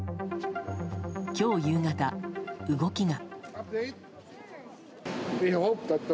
今日夕方、動きが。